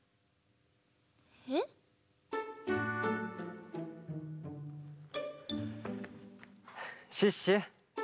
えっ？シュッシュ。